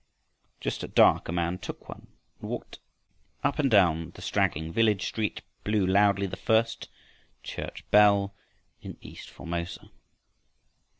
Just at dark a man took one, and walking up and down the straggling village street blew loudly the first "church bell" in east Formosa.